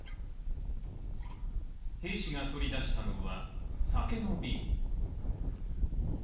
兵士が取り出したのは酒の瓶。